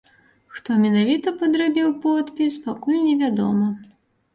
Хто менавіта падрабіў подпіс, пакуль не вядома.